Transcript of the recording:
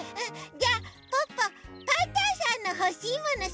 じゃあポッポパンタンさんのほしいものしらべてみる！